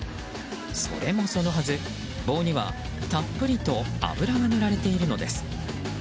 それもそのはず、棒にはたっぷりと油が塗られているのです。